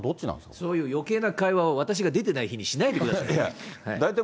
そういうよけいな会話を、私が出てない日にしないでください